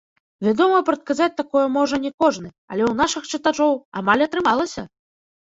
Вядома, прадказаць такое можа не кожны, але ў нашых чытачоў амаль атрымалася!